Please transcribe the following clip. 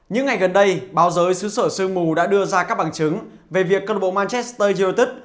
những ngày gần đây báo giới xứ sở sương mù đã đưa ra các bằng chứng về việc cơ độc manchester united